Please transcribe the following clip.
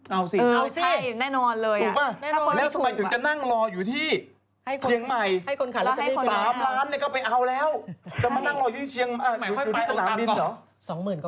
เอาสิถูกปะแล้วทำไมถึงจะนั่งรออยู่ที่เชียงใหม่๓ล้านก็ไปเอาแล้วจะมานั่งรออยู่ที่สนามบินเหรอ